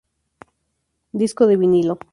Disco de vinilo